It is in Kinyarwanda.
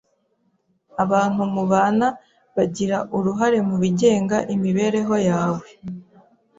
Abantu mubana bagira uruhare mu bigenga imibereho yawe